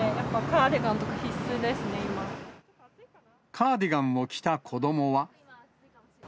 カーディガンを着た子どもは。